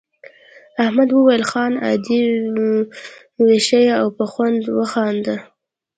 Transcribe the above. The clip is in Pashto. احمد وویل خان عادي وښیه او په خوند وخانده.